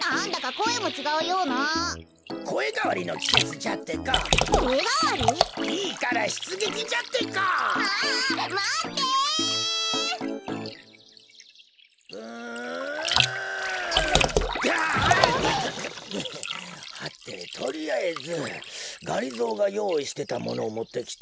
こころのこえはてとりあえずがりぞーがよういしてたものをもってきたが。